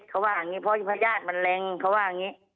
เขาว่าอย่างนี้เพราะพญาติมันแรงเขาว่าอย่างนี้